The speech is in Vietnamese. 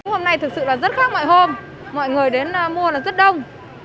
hôm nay thực sự là rất khác mọi hôm mọi người đến mua là rất đông